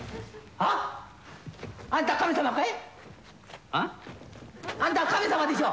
あん？あんた神様でしょ。